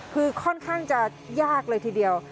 คือค่อนข้างจะยากเลยทีเดียว